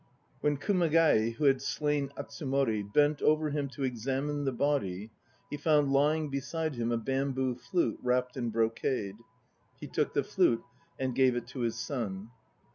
When Kumagai, who had slain Atsumori, bent over him to examine the body, he found lying beside him a bamboo flute wrapped in brocade. He took the flute and gave it to his son.